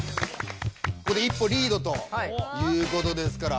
ここで一歩リードということですから。